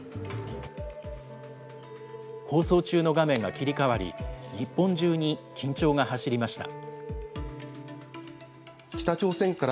放送中の画面が切り替わり、日本中に緊張が走りました。